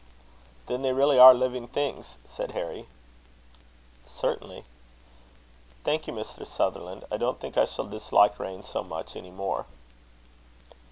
"Then they really are living things?" said Harry. "Certainly." "Thank you, Mr. Sutherland. I don't think I shall dislike rain so much any more."